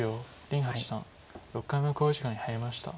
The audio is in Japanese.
林八段６回目の考慮時間に入りました。